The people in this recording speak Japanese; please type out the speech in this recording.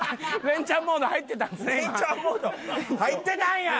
連チャンモード入ってたんや！